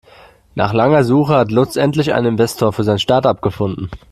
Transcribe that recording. Nach langer Suche hat Lutz endlich einen Investor für sein Startup gefunden.